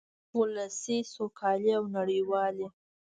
ولسي سوکالۍ او نړیوالې